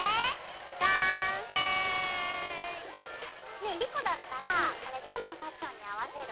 ねえ莉子だったらこれどんなファッションに合わせる？